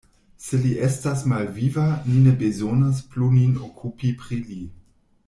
Se li estas malviva, ni ne bezonas plu nin okupi pri li.